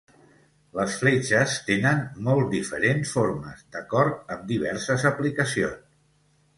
Les fletxes tenen molt diferents formes, d'acord amb diverses aplicacions.